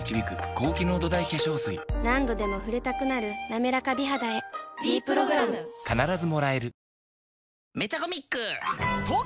何度でも触れたくなる「なめらか美肌」へ「ｄプログラム」いい汗。